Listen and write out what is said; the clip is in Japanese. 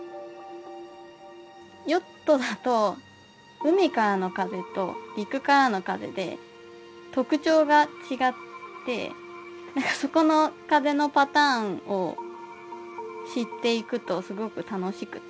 ヨットだと海からの風と陸からの風で特徴が違ってそこの風のパターンを知っていくとすごく楽しくて。